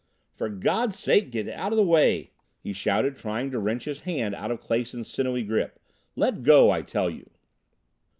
"For God's sake get out of the way!" he shouted, trying to wrench his hand out of Clason's sinewy grip. "Let go, I tell you!"